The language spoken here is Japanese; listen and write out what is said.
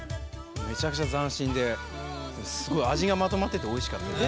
めちゃくちゃ斬新ででもすごい味がまとまってておいしかったです。